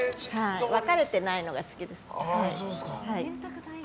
分かれてないのが好きです。